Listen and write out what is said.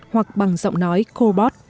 hoặc bằng giọng nói cobot